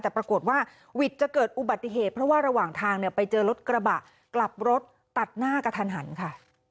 แต่ปรากฏว่าวิทย์จะเกิดอุบัติเหตุเพราะว่าระหว่างทางเนี่ยไปเจอรถกระบะกลับรถตัดหน้ากระทันหันค่ะ